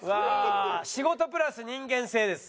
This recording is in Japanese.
仕事プラス人間性です。